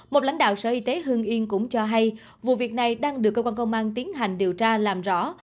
một lãnh đạo sở y tế hương yên cũng cho hay vụ việc này đang được cơ quan công an tiến hành điều tra làm rõ